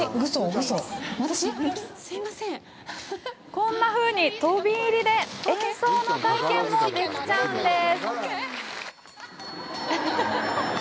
こんなふうに飛び入りで演奏の体験もできちゃうんです。